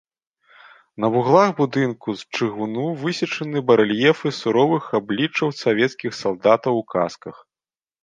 На вуглах будынка з чыгуну высечаны барэльефы суровых абліччаў савецкіх салдатаў у касках.